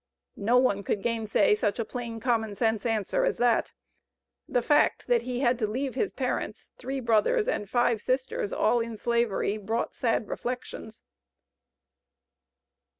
No one could gainsay such a plain common sense answer as that. The fact, that he had to leave his parents, three brothers, and five sisters, all in slavery, brought sad reflections.